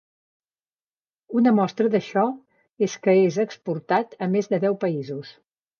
Una mostra d'això és que és exportat a més de deu països.